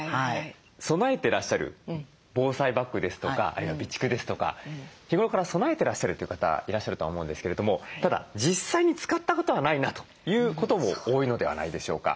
備えてらっしゃる防災バッグですとかあるいは備蓄ですとか日頃から備えてらっしゃるという方いらっしゃるとは思うんですけれどもただ実際に使ったことはないなということも多いのではないでしょうか。